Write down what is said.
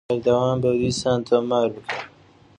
ئەوە پێنج ساڵە کار دەکەین.